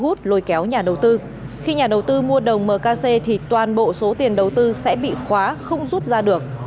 hút lôi kéo nhà đầu tư khi nhà đầu tư mua đồng mkc thì toàn bộ số tiền đầu tư sẽ bị khóa không rút ra được